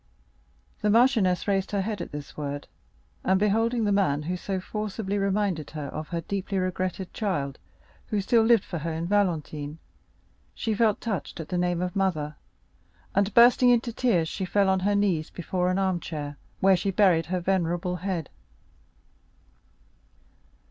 The marchioness raised her head at this word, and beholding the man who so forcibly reminded her of her deeply regretted child, who still lived for her in Valentine, she felt touched at the name of mother, and bursting into tears, she fell on her knees before an armchair, where she buried her venerable head.